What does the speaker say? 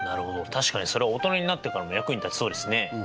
確かにそれは大人になってからも役に立ちそうですね。